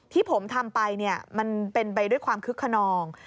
ที่ผมทำไปมันเป็นไปด้วยความคึกขนอง